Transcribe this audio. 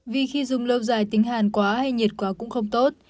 vì khi dùng lâu dài tính hàn quá hay nhiệt quá cũng không tốt